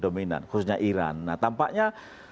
dominan khususnya iran nah tampaknya